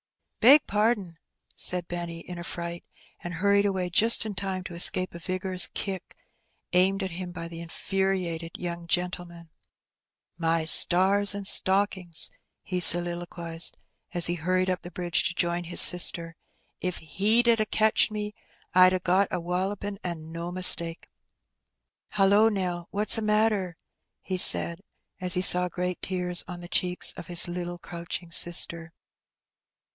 ''Beg pardon," said Benny, in a fright, and hurried away just in time to escape a vigorous kick aimed at him by the infuriated young gentleman. " My stars and stockings !" he soliloquized, as he hurried up the bridge to join his sister. ''If he 'ad a catched me, I'd a got a walloping, an' no mistake. Hullo, Nell! what's a matter?" he said, as he saw great tears on the cheeks of his little crouching sister.